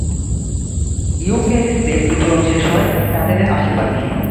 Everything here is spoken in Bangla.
ইউক্যারিস্টদের বিতরণ শেষ হয় প্যাটেনের আশীর্বাদ নিয়ে।